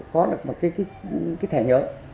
có được một cái thẻ nhớ